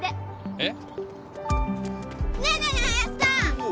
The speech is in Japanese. えっ？